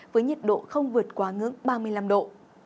với nhiệt độ không vượt quá ngưỡng ba mươi năm độ